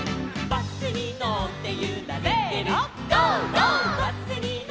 「バスにのってゆられてるゴー！